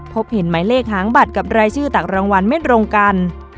พบเห็นหมายเลขหางบัตรกับรายชื่อตักรางวัลไม่ตรงกัน